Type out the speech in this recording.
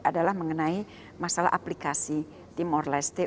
adalah mengenai masalah aplikasi timur reste